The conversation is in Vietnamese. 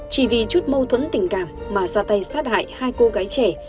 chỉ vì chút mâu thuẫn tình cảm mà ra tay sát hại hai cô gái trẻ